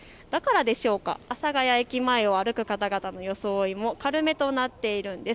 阿佐ヶ谷駅前を歩く方々の装いも軽めとなっているんです。